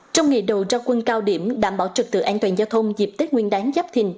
trong ngày đầu ra quân cao điểm đảm bảo trực tự an toàn giao thông dịp tết nguyên đáng giáp thình